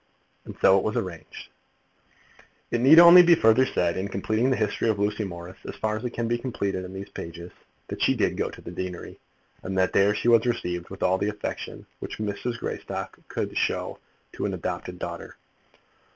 And so it was arranged. It need only be further said, in completing the history of Lucy Morris as far as it can be completed in these pages, that she did go to the deanery, and that there she was received with all the affection which Mrs. Greystock could show to an adopted daughter.